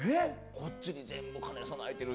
こっちに全部兼ね備えてる。